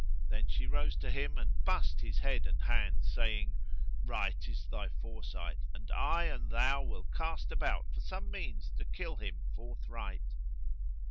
Then she rose to him and bussed his head and hands, saying, "Right is thy foresight, and I and thou will cast about for some means to kill him forthright."